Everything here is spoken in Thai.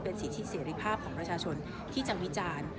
สิทธิเสรีภาพของประชาชนที่จะวิจารณ์